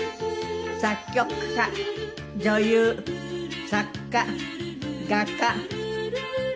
作曲家女優作家画家ですね。